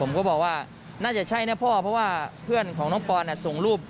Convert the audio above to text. ผมก็บอกว่าน่าจะใช่นะพ่อเพราะว่าเพื่อนของน้องปอนส่งรูป